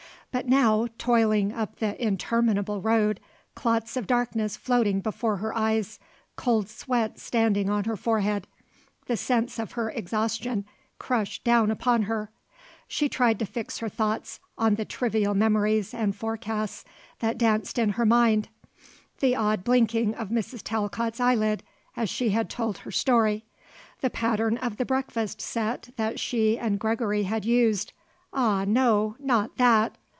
But now, toiling up the interminable road, clots of darkness floating before her eyes, cold sweats standing on her forehead, the sense of her exhaustion crushed down upon her. She tried to fix her thoughts on the trivial memories and forecasts that danced in her mind. The odd blinking of Mrs. Talcott's eyelid as she had told her story; the pattern of the breakfast set that she and Gregory had used ah, no! not that!